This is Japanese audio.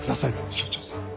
署長さん。